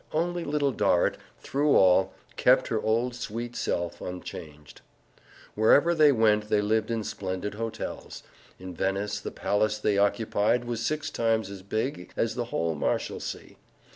Only Little Dorrit, through all, kept her old sweet self unchanged. Wherever they went they lived in splendid hotels. In Venice the palace they occupied was six times as big as the whole Marshalsea.